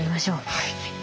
はい。